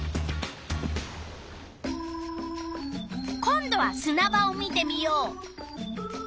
今度はすな場を見てみよう。